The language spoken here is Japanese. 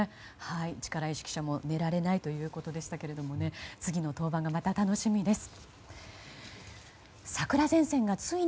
力石記者も寝られないということでしたが次の登板がまた楽しみです。